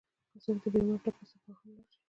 که څوک د بيمار تپوس ته ماښام لاړ شي؛